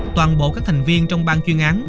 toàn bộ các thành viên trong ban chuyên án